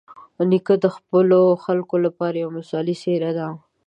نیکه د خپلو خلکو لپاره یوه مثالي څېره ده.